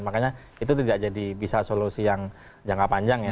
makanya itu tidak jadi bisa solusi yang jangka panjang ya